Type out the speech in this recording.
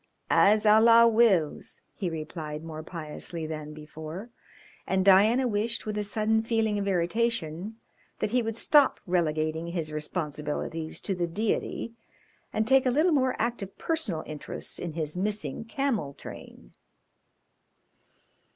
"As Allah wills!" he replied more piously than before, and Diana wished, with a sudden feeling of irritation, that he would stop relegating his responsibilities to the Deity and take a little more active personal interest in his missing camel train.